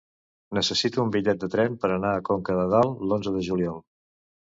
Necessito un bitllet de tren per anar a Conca de Dalt l'onze de juliol.